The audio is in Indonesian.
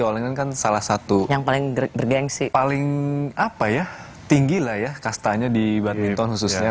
olengan kan salah satu yang paling bergensi paling apa ya tinggi lah ya kastanya di badminton khususnya